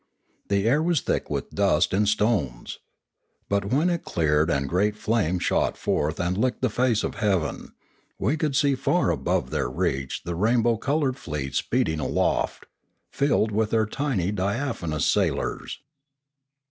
The air was thick with dust and stones. But when it cleared and great flames shot forth and licked the face of heaven, we could see far above their reach the rainbow coloured fleet speeding aloft, filled with their tiny diaphanous sailors.